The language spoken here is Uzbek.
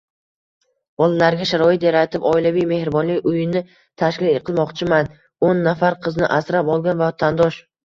“Bolalarga sharoit yaratib, oilaviy mehribonlik uyini tashkil qilmoqchiman” -o'nnafar qizni asrab olgan vatandosh